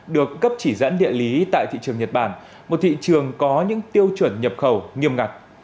được cấp chỉ dẫn địa lý tại thị trường nhật bản một thị trường có những tiêu chuẩn nhập khẩu nghiêm ngặt